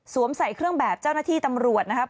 ใส่เครื่องแบบเจ้าหน้าที่ตำรวจนะครับ